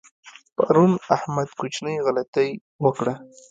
پرون احمد کوچنۍ غلطۍ وکړه.